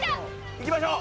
いきましょう！